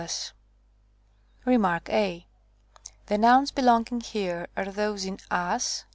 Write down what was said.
13.) Rem. a. The nouns belonging here are those in as G.